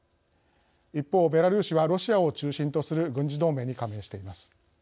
一方、ベラルーシはロシアを中心とする軍事同盟に加盟しています。